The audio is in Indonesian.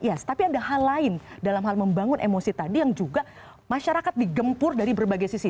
yes tapi ada hal lain dalam hal membangun emosi tadi yang juga masyarakat digempur dari berbagai sisi